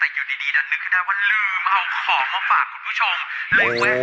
แต่อยู่ดีดันนึกขึ้นได้ว่าลืมเอาของมาฝากคุณผู้ชมเลยแวะ